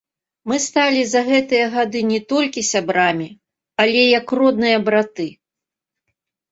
Мы сталі за гэтыя гады не толькі сябрамі, але як родныя браты.